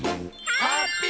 ハッピー！